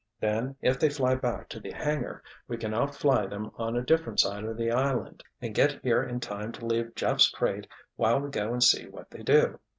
"Then if they fly back to the hangar, we can outfly them on a different side of the island and get here in time to leave Jeff's crate while we go and see what they do.